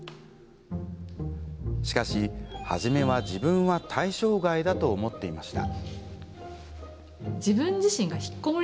しかし、初めは自分は対象外だと思っていました。